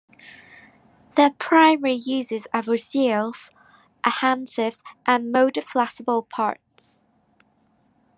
Their primary uses are for seals, adhesives and molded flexible parts.